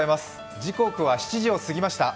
時刻は７時を過ぎました、